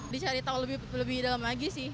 dicari tahu lebih dalam lagi sih